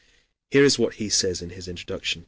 Here is what he says in his introduction (p.